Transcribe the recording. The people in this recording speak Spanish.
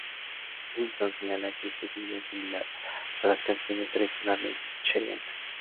Wilson señala que este estilo es similar a las canciones tradicionales Cheyenne.